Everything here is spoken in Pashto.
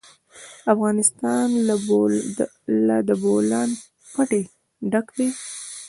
افغانستان له د بولان پټي ډک دی.